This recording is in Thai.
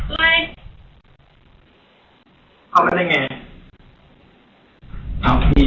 อีฟันอะไร